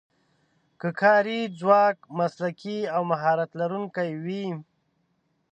که کاري ځواک مسلکي او مهارت لرونکی وي.